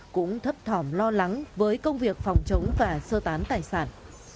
cũng thấp thỏm lo lắng với công việc phòng chống và sơ tán tài sản